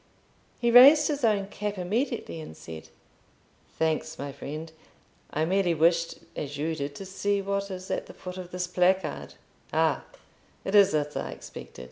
He raised his own cap immediately and said— "Thanks, my friend, I merely wished, as you did, to see what is at the foot of this placard—ah, it is as I expected.